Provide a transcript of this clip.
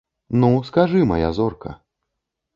Ну, скажы, мая зорка!